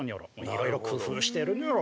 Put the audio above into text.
いろいろ工夫してるニョロ。